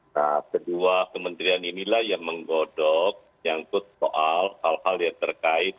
nah kedua kementerian inilah yang menggodok menyangkut soal hal hal yang terkait